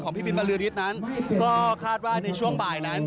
พี่บินบรือฤทธิ์นั้นก็คาดว่าในช่วงบ่ายนั้น